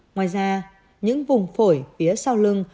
ngoài ra những vùng phổi phía sau lưng